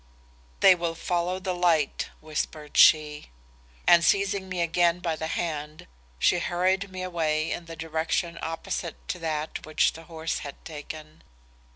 "'They will follow the light,' whispered she; and seizing me again by the hand, she hurried me away in the direction opposite to that which the horse had taken.